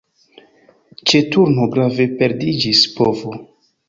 Ĉe turno grave perdiĝis povo.